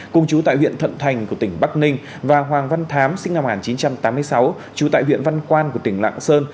cùng chú tại huyện thuận thành của tỉnh bắc ninh và hoàng văn thám sinh năm một nghìn chín trăm tám mươi sáu trú tại huyện văn quan của tỉnh lạng sơn